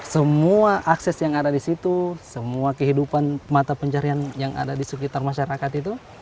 semua akses yang ada di situ semua kehidupan mata pencarian yang ada di sekitar masyarakat itu